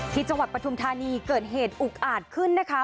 ที่จังหวัดปธิมทานีเกิดเหตุอุกอาดขึ้นนะคะ